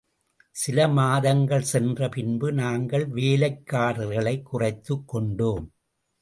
சில மாதங்கள் சென்ற பின்பு, நாங்கள் வேலைக்காரர்களைக் குறைத்துக் கொண்டோம்.